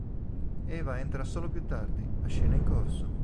Eva entra solo più tardi, a scena in corso.